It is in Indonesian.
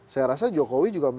saya rasa jokowi juga